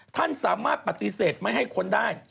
ท่านสามารถปฏิเสธไม่ให้ค้นได้